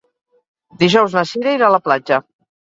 Dijous na Cira irà a la platja.